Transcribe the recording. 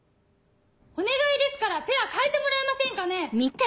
お願いですからペアかえてもらえませんかね！